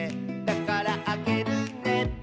「だからあげるね」